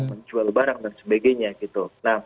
menjual barang dan sebagainya gitu